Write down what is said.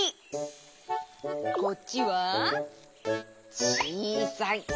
こっちはちいさい。